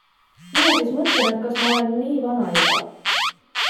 Mina siis mõtlen, et kas ma olen nii vana juba?